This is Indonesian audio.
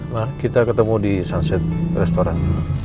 nah kita ketemu di sunset restoran